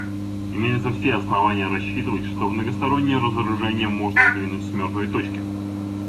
Имеются все основания рассчитывать, что многостороннее разоружение можно сдвинуть с мертвой точки.